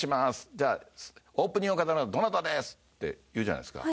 じゃあオープニングを飾るのはどなたですって言うじゃないですか。